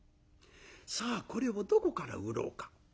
さあこれをどこから売ろうか。